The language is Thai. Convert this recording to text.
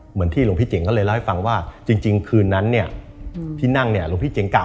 เหมือนที่หลงพี่เจ๋งก็เลยเล่าให้ฟังว่าจริงคืนนั้นเนี่ย